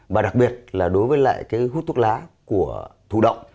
và đặc biệt là đối với lại cái hút thuốc lá của thủ động